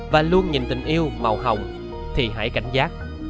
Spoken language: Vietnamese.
và luôn nhìn tình yêu màu hồng thì hãy cảnh giác